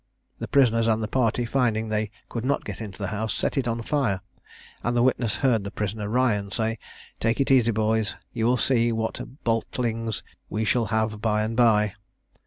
The prisoners and the party finding they could not get into the house, set it on fire; and the witness heard the prisoner Ryan say, "Take it easy, boys; you will see what botlings we shall have by and by."